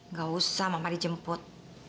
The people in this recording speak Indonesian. nggak usah mama dijemput